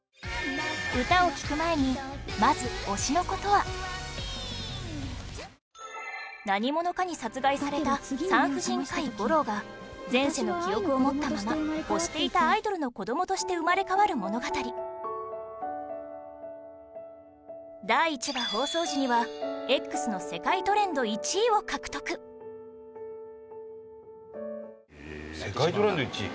歌を聴く前にまず、『推しの子』とは？何者かに殺害された産婦人科医、ゴローが前世の記憶を持ったまま推していたアイドルの子どもとして生まれ変わる物語第１話放送時には Ｘ の世界トレンド１位を獲得伊達：世界トレンド１位！